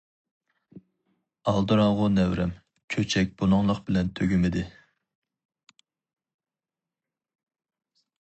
-ئالدىراڭغۇ نەۋرەم، چۆچەك بۇنىڭلىق بىلەن تۈگىمىدى.